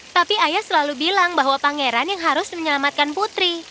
tapi ayah selalu bilang bahwa pangeran yang harus menyelamatkan putri